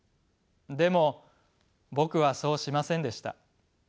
でも僕はそうしませんでした。